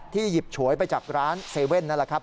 ที่หยิบฉวยไปจากร้านเซเว่นนั่นแหละครับ